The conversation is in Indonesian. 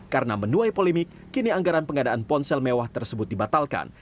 karena menuai polemik kini anggaran pengadaan ponsel mewah tersebut dibatalkan